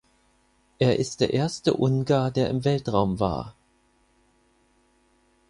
Er ist der erste Ungar, der im Weltraum war.